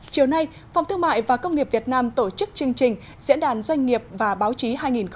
chiều nay phòng thương mại và công nghiệp việt nam tổ chức chương trình diễn đàn doanh nghiệp và báo chí hai nghìn một mươi chín